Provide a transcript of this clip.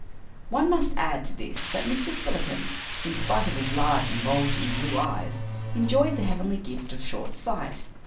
One must add to this that Mr. Spillikins, in spite of his large and bulging blue eyes, enjoyed the heavenly gift of short sight.